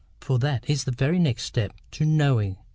For that is the very next step to knowing.